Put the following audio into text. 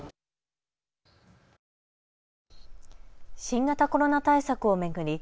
新型コロナ対策を巡り